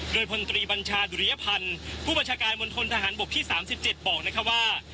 โดยพลตรีบัญชาดุริยพันธ์ผู้บัญชาการมณฑนทหารบกที่๓๗บอกนะคะว่า